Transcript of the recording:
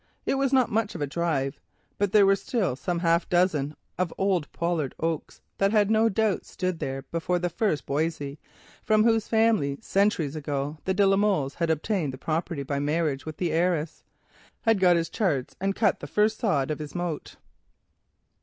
It was not much of a drive, but there were still some half dozen of old pollard oaks that had no doubt stood there before the Norman Boissey, from whose family, centuries ago, the de la Molles had obtained the property by marriage with the heiress, had got his charter and cut the first sod of his moat.